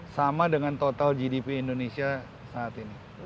sama dengan total gdp indonesia saat ini